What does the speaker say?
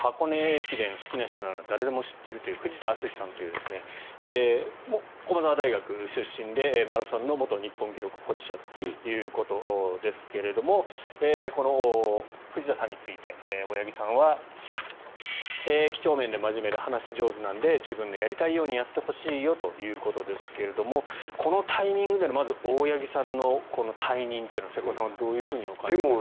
駅伝好きな人なら誰でも知ってるという藤田敦史さんという駒澤大学出身でマラソンの元日本記録保持者ということですがこの藤田さんについて大八木さんはきちょうめんで真面目で話し上手なので自分のやりたいようにやってほしいよということですがこのタイミングでの大八木さんの退任というのは瀬古さんはどういうふうにお感じになりますか。